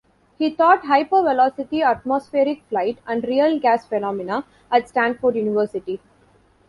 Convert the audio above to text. He taught Hypervelocity Atmospheric Flight and Real Gas Phenomena at Stanford University.